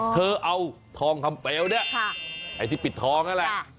เธอเอาทองคำเปลวเนี่ยไอ้ที่ปิดทองนั่นแหละ